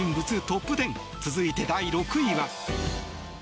トップ１０続いて第６位は。